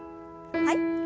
はい。